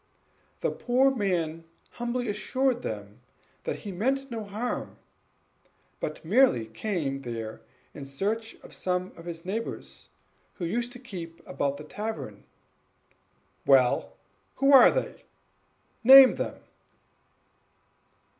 The poor man humbly assured him that he meant no harm, but merely came there in search of some of his neighbors, who used to keep about the tavern. "Well who are they? name them."